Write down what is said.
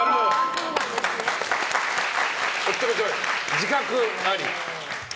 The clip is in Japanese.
自覚あり？